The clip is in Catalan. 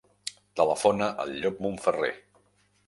Telefona al Llop Monferrer.